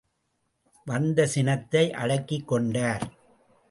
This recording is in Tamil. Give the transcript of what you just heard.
வந்த சினத்தை அடக்கிக்கொண்டார்.